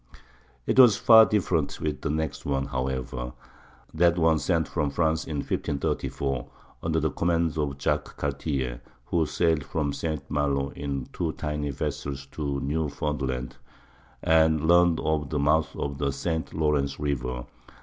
It was far different with the next one, however,—that one sent from France in 1534, under the command of Jacques Cartier, who sailed from St. Malo in two tiny vessels to Newfoundland, and learned of the mouth of the St. Lawrence River.